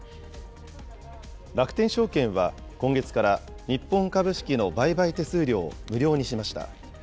楽天証券は今月から、日本株式の売買手数料を無料にしました。